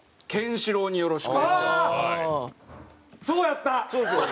そうやった！